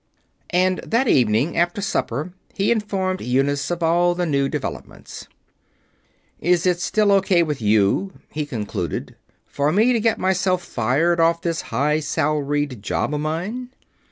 And that evening, after supper, he informed Eunice of all the new developments. "Is it still O.K. with you," he concluded, "for me to get myself fired off of this high salaried job of mine?"